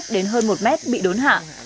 đến hơn một m bị đốn hạ